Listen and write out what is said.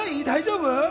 大丈夫？